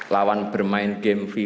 lawan bermain game video